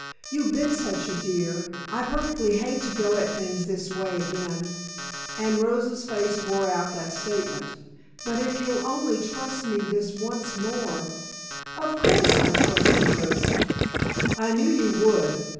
You've been such a dear, I perfectly hate to go at things this way again," and Rosa's face bore out that statement. "But if you'll only trust me this once more " "Of course I trust you, Rosa " "I knew you would.